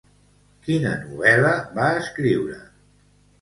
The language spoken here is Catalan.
Quina novel·la va escriure?